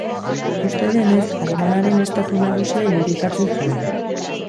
Uste denez, armadaren estatu nagusia irudikatzen zuen.